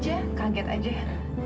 tempatnya romantis agak ini aja kan